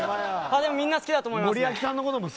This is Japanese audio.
みんな好きだと思います。